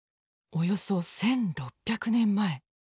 およそ１，６００年前。